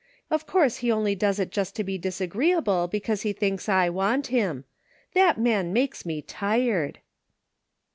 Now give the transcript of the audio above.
Of course he only does it just to be disagreeable because he thinks I want him. That man makes me tired